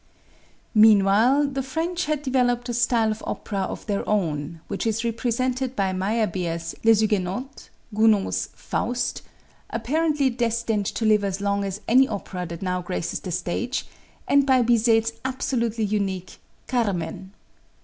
Meanwhile, the French had developed a style of opera of their own, which is represented by Meyerbeer's "Les Huguenots," Gounod's "Faust," apparently destined to live as long as any opera that now graces the stage, and by Bizet's absolutely unique "Carmen."